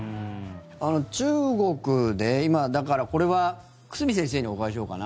中国で今、これは久住先生にお伺いしようかな。